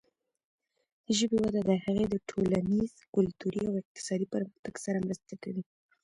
د ژبې وده د هغې د ټولنیز، کلتوري او اقتصادي پرمختګ سره مرسته کوي.